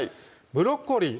ブロッコリー